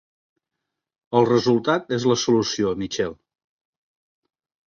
El resultat és la solució Michell.